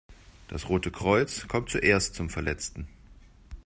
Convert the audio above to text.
Das Rote Kreuz kommt zuerst zum Verletzten.